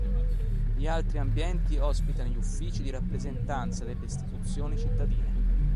Gli altri ambienti ospitano gli uffici di rappresentanza delle istituzioni cittadine.